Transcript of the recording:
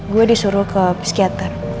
gue disuruh ke psikiater